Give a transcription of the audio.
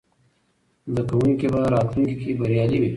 زده کوونکي به راتلونکې کې بریالي وي.